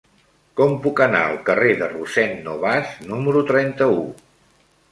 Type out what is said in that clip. Com puc anar al carrer de Rossend Nobas número trenta-u?